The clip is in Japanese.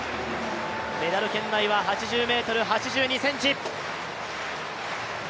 メダル圏内は８０ｍ８２ｃｍ。